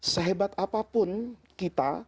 sehebat apapun kita